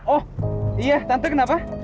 oh iya tante kenapa